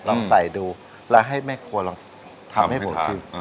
ลองใส่ดูแล้วให้แม่ครัวลองทำให้ผมชิม